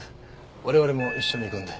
我々も一緒に行くんで。